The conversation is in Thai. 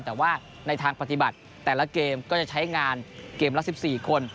แต่ว่าในทางปฏิบัติแต่ละเกมก็จะใช้งานเกมละ๑๔คน